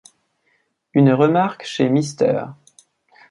Une remarque chez Mr.